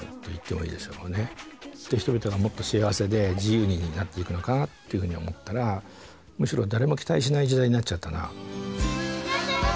人々がもっと幸せで自由になっていくのかなっていうふうに思ったらむしろ誰も期待しない時代になっちゃったな。